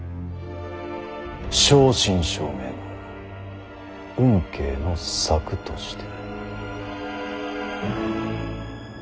正真正銘の運慶の作として。